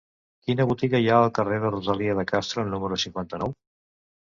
Quina botiga hi ha al carrer de Rosalía de Castro número cinquanta-nou?